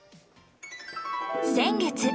先月。